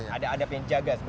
ada adab yang jaga